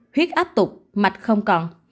huyết áp tục mạch không còn